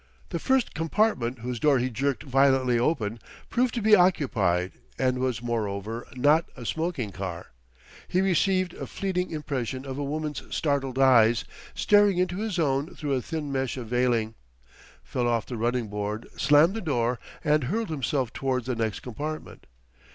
The first compartment whose door he jerked violently open, proved to be occupied, and was, moreover, not a smoking car. He received a fleeting impression of a woman's startled eyes, staring into his own through a thin mesh of veiling, fell off the running board, slammed the door, and hurled himself to wards the next compartment.